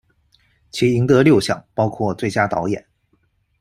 其赢得六项，包括最佳导演。